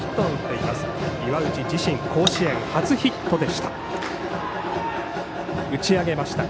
自身、甲子園初ヒットでした。